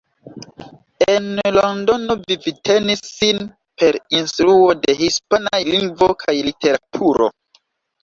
En Londono vivtenis sin per instruo de hispanaj lingvo kaj literaturo.